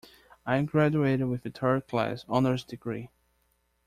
I graduated with a third class honours degree.